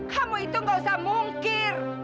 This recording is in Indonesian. kamu itu gak usah mungkir